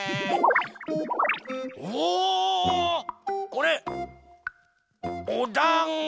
これおだんご！